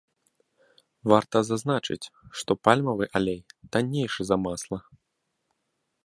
Варта зазначыць, што пальмавы алей таннейшы за масла.